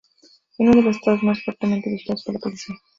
Es uno de los Estados más fuertemente vigilados por la policía.